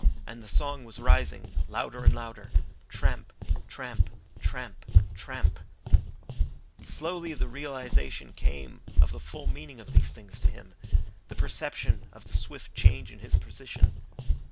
And the song was rising, louder and louder; tramp, tramp, tramp, tramp. Slowly the realisation came of the full meaning of these things to him, the perception of the swift change in his position.